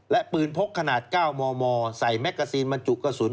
และปืนพกขนาด๙มมใส่แมกกาซีนบรรจุกระสุน